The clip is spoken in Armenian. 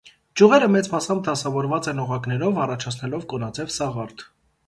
Ճյուղերը մեծ մասամբ դասավորված են օղակներով, առաջացնելով կոնաձև սաղարթ։